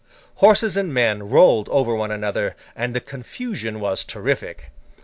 Horses and men rolled over one another, and the confusion was terrific.